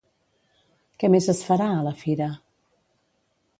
Què més es farà, a la fira?